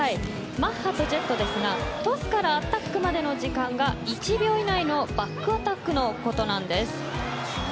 マッハとジェットですがトスからアタックまでの時間が１秒以内のバックアタックのことなんです。